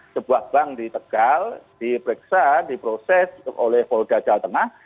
sebuah bank di tegal diperiksa diproses oleh polda jawa tengah